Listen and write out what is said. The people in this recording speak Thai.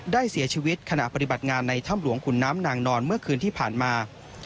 เสียชีวิตขณะปฏิบัติงานในถ้ำหลวงขุนน้ำนางนอนเมื่อคืนที่ผ่านมา